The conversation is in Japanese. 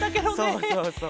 そうそうそう。